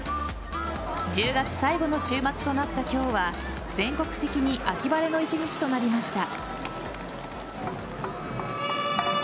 １０月最後の週末となった今日は全国的に秋晴れの１日となりました。